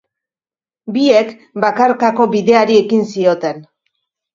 Biek bakarkako bideari ekin zioten.